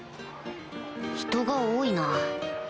人が多いな。